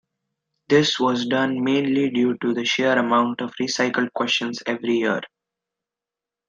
This was done mainly due to the sheer amount of recycled questions every year.